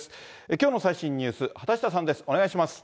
きょうの最新のニュース、畑下さんです。